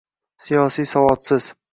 Siyosiy savodsiz